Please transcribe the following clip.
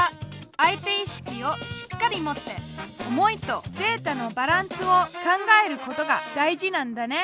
相手意識をしっかり持って「思い」と「データ」のバランスを考えることが大事なんだね。